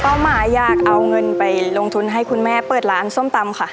หมายอยากเอาเงินไปลงทุนให้คุณแม่เปิดร้านส้มตำค่ะ